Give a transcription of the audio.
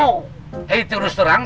hei turun serang